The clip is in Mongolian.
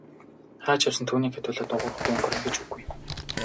Хаа ч явсан түүнийхээ төлөө дуугарахгүй өнгөрнө гэж үгүй.